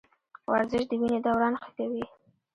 ورزش د وینې دوران ښه کوي.